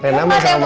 renah masih sama